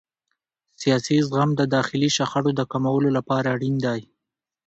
سیاسي زغم د داخلي شخړو د کمولو لپاره اړین دی